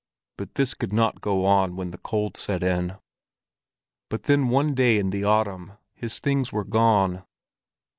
But this could not go on when the cold set in. But then one day in the autumn, his things were gone.